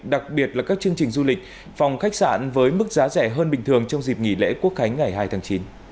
đặc biệt là các chương trình du lịch phòng khách sạn với mức giá rẻ hơn bình thường trong dịp nghỉ lễ quốc khánh ngày hai tháng chín